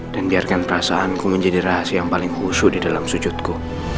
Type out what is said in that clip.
dan biarkan perasaanku menjadi rahasia yang paling khusyuh di dalam sujudku